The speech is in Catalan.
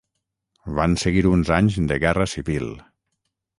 Van seguir uns anys de guerra civil.